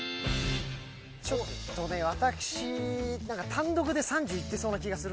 ちょっとね私なんか単独で３０いってそうな気がする。